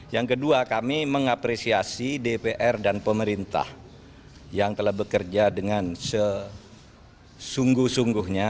yang kedua kami mengapresiasi dpr dan pemerintah yang telah bekerja dengan sesungguh sungguhnya